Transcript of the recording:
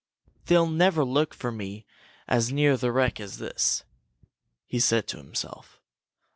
"They'll never look for me as near the wreck as this," he said to himself.